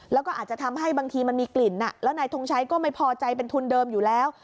แล้วก็อาจจะทำให้บางทีมันมีกลิ่นแล้วนายทงชัยก็ไม่พอใจเป็นทุนเดิมอยู่แล้ว